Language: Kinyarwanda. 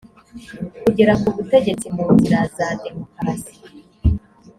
kugera ku butegetsi mu nzira za demokarasi